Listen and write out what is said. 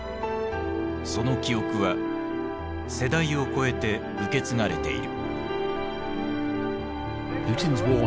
その記憶は世代を超えて受け継がれている。